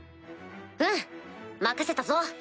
うん任せたぞ。